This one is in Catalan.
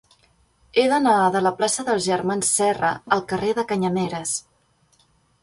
He d'anar de la plaça dels Germans Serra al carrer de Canyameres.